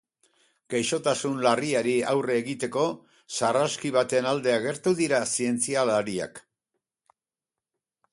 Gaixotasun larriari aurre egiteko, sarraski baten alde agertu dira zientzialariak.